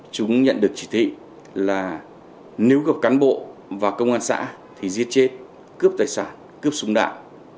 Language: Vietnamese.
chúng nhận được chỉ thị là nếu gặp cán bộ và công an xã thì giết chết cướp tài sản cướp súng đạn